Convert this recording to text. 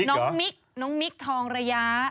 น้องมิคน้องมิคทองระยะ